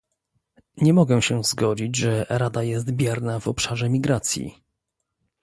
Nie mogę się zgodzić, że Rada jest bierna w obszarze migracji